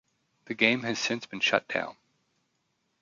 The game has since been shut down.